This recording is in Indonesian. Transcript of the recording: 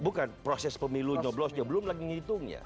bukan proses pemilu nyoblosnya belum lagi ngitungnya